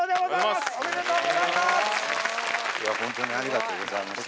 ありがとうございます。